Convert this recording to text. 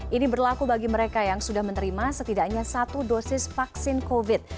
ini berlaku bagi mereka yang sudah menerima setidaknya satu dosis vaksin covid